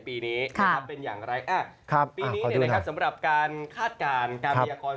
ปีนี้สำหรับการคาดการณ์